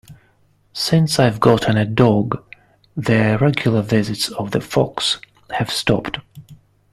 Since I've gotten a dog, the regular visits of the fox have stopped.